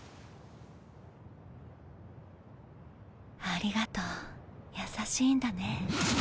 ありがとう優しいんだね。